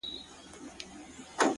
زه به د څو شېبو لپاره نور;